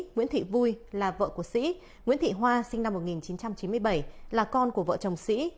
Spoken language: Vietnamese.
nguyễn thị vui là vợ của sĩ nguyễn thị hoa sinh năm một nghìn chín trăm chín mươi bảy là con của vợ chồng sĩ